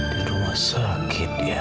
di rumah sakit ya